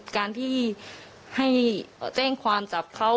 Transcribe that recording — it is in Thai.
การที่ให้แจ้งความจับเขา